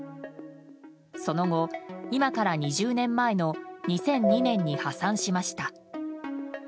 その後、今から２０年前の２００２年に破産しました。